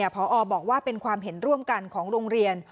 พอบอกว่าเป็นความเห็นร่วมกันของโรงเรียน